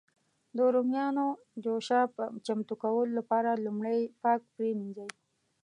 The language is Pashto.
د رومیانو جوشه چمتو کولو لپاره لومړی یې پاک پرېمنځي.